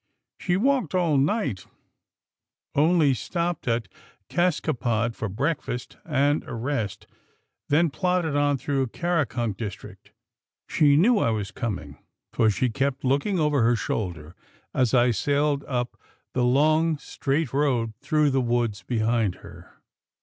She'd walked all night, only stopped at Cascapod for breakfast and a rest, then plodded on through Karakunk district. She knew I was coming, for she kept looking over her shoulder as I sailed up the long straight road through the woods behind her.